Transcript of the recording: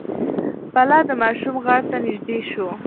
بلا د ماشوم غاړې ته نژدې شو.